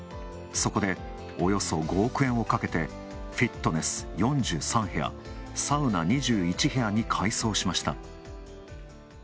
そこでおよそ５億円をかけてフィットネス４３部屋、サウナ２１部屋に改装しました。